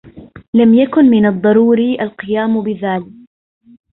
لم يكن من الضروري القيام بذلك.